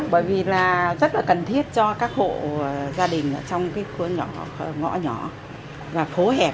bởi vì rất là cần thiết cho các hộ gia đình trong khu nhỏ ngõ nhỏ và phố hẹp